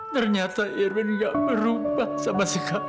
ternyata irwin gak merubah sama sekali